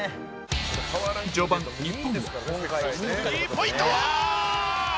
序盤、日本は。